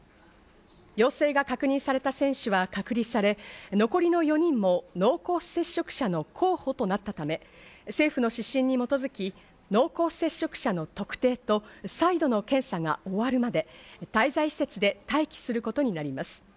陽性が確認された選手は隔離され、残りの４人も濃厚接触者の候補となったため、政府の指針に基づき濃厚接触者の特定と再度の検査が終わるまで滞在施設で待機することになります。